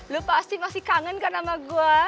lo pasti masih kangen kan sama gue